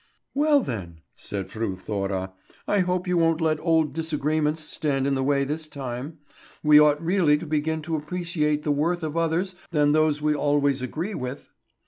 "Well, then," said Fru Thora, "I hope you won't let old disagreements stand in the way this time. We ought really to begin to appreciate the worth of others than those we always agree with."